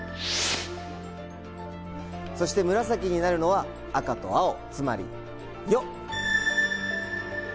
むらさきになるのは赤と青つまり「ヨ」。